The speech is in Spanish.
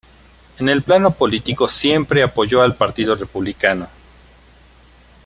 En el plano político siempre apoyó al Partido Republicano.